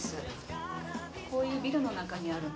こういうビルの中にあるんです。